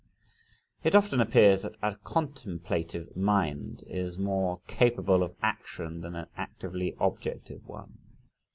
It often appears that a contemplative mind is more capable of action than an actively objective one.